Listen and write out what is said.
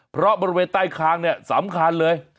เพราะบริเวณใต้คางเนี่ยสำคัญเลย